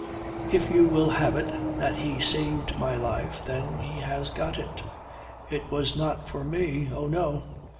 "If you will have it that he saved my life, then he has got it. It was not for me. Oh no!